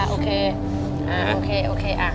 โอเคโอเค